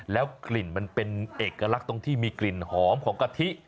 แล้วกลิ่นมันเป็นเอกลักษณ์ตรงที่มีกลิ่นหอมของกะทิ